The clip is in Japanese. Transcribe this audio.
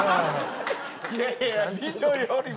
いやいや美女よりも。